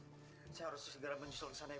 bu saya harus segera menyesal ke sana ya